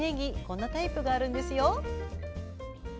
こんなタイプがあるんですよ。